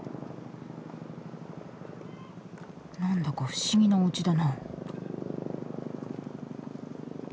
何だか不思議なおうちだな。